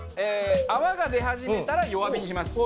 泡が出始めたら弱火にします。